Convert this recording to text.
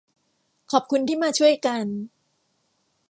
ขอบคุณที่มาช่วยกัน